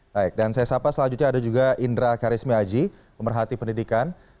baik dan saya sapa selanjutnya ada juga indra karismiaji pemerhati pendidikan